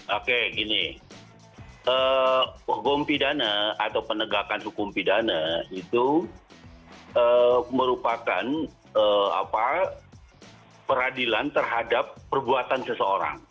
oke gini hukum pidana atau penegakan hukum pidana itu merupakan peradilan terhadap perbuatan seseorang